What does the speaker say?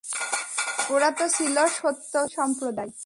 ওরা তো ছিল সত্যত্যাগী সম্প্রদায়।